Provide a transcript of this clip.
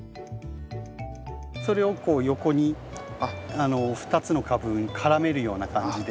それをこう横に２つの株に絡めるような感じで。